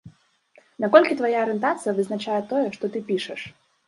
Наколькі твая арыентацыя вызначае тое, што ты пішаш?